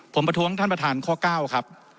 ผมประท้วงท่านประธานข้อ๙ครับ